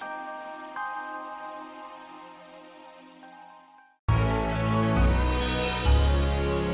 kami menemukan what can kobe sayau